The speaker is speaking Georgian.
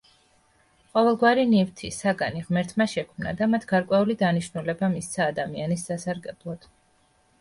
ყოველგვარი ნივთი, საგანი ღმერთმა შექმნა და მათ გარკვეული დანიშნულება მისცა ადამიანის სასარგებლოდ.